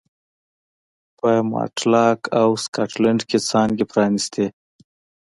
په ماټلاک او سکاټلنډ کې څانګې پرانېستې.